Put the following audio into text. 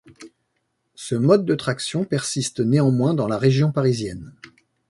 Ce mode de traction persiste néanmoins dans la région parisienne.